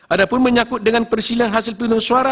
adapun menyakut dengan persilihan hasil pilihan suara